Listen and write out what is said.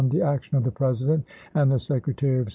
the action of the President and the Secretary of June8,i864.